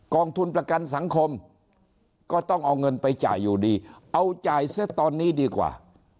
องทุนประกันสังคมก็ต้องเอาเงินไปจ่ายอยู่ดีเอาจ่ายซะตอนนี้ดีกว่า